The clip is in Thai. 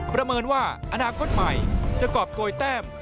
ประเมินว่าอนาคตใหม่จะกรอบโกยแต้ม